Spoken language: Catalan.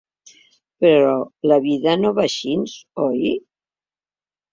Però la vida no va així, oi?